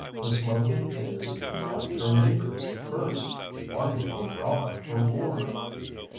The slogan is "Fight Your Neighbors First. Why Go Abroad for War?"